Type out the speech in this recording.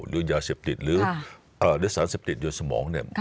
รายายาเสียบติดหรือเนื้อสารเสียบติดอยู่ในสมองเนี่ย